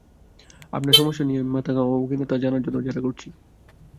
আপনার সমস্যা নিয়ে আমি মাথা ঘামাব কি না, তা জানার জন্যে জেরা করছি।